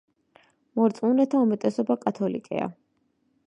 მორწმუნეთა უმეტესობა კათოლიკეა.